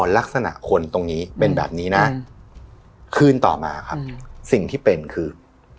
ลักษณะคนตรงนี้เป็นแบบนี้นะคืนต่อมาครับสิ่งที่เป็นคือ